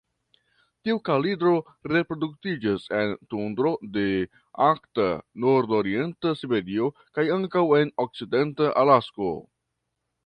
Tiu kalidro reproduktiĝas en tundro de arkta nordorienta Siberio kaj ankaŭ en okcidenta Alasko.